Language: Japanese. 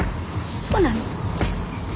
そうなの？